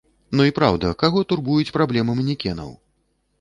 Ну і праўда, каго турбуюць праблемы манекенаў?